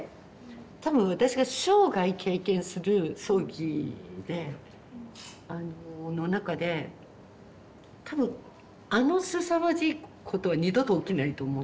多分私が生涯経験する葬儀であのの中で多分あのすさまじいことは二度と起きないと思って。